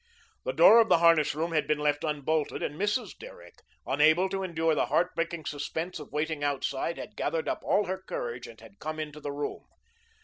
The door of the harness room had been left unbolted and Mrs. Derrick, unable to endure the heart breaking suspense of waiting outside, had gathered up all her courage and had come into the room.